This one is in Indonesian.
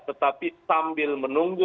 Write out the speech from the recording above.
tetapi sambil menunggu